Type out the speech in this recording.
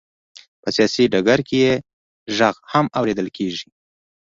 په سیاسي ډګر کې یې غږ هم اورېدل کېږي.